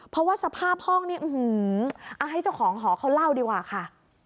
เพราะว่าสภาพห้องนี้ให้เจ้าของหอเขาเล่าดีกว่าค่ะ